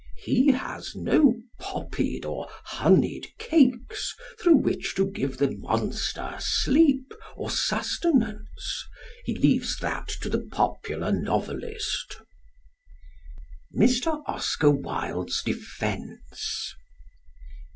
He has no poppied or honeyed cakes through which to give the monster sleep or sustenance. He leaves that to the popular novelist._ MR. OSCAR WILDE'S DEFENCE.